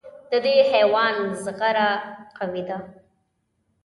د دې حیوان زغره قوي ده.